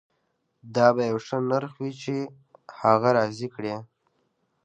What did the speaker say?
دا به یو ښه نرخ وي چې هغه راضي کړي